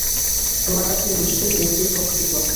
তোমার কাছে নিশ্চয়ই এর চেয়ে সহজ কিছু আছে।